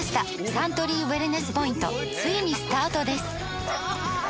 サントリーウエルネスポイントついにスタートです！